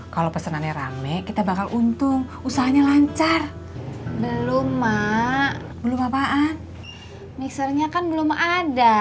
kalau pesanannya rame kita bakal untung usahanya lancar belum mak belum apa apaan mixernya kan belum ada